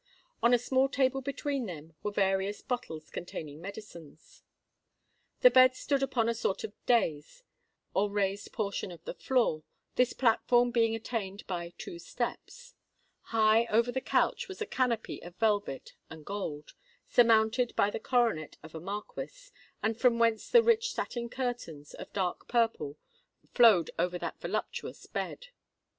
On a small table between them were various bottles containing medicines. The bed stood upon a sort of dais, or raised portion of the floor, this platform being attained by two steps. High over the couch was a canopy of velvet and gold, surmounted by the coronet of a Marquis, and from whence the rich satin curtains, of dark purple, flowed over that voluptuous bed.